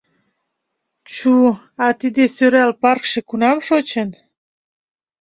Чу, а тиде сӧрал паркше кунам шочын?